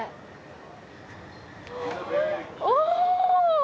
お！